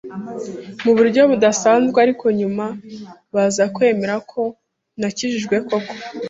mu buryo budasanzwe ariko nyuma baza kwemera ko nakijijwe koko